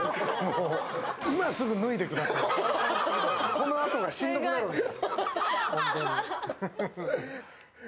このあとがしんどくなるんで。